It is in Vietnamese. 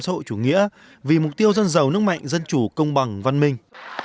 xã hội chủ nghĩa vì mục tiêu dân giàu nước mạnh dân chủ công bằng văn minh